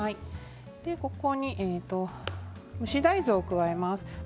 ここに蒸し大豆を加えます。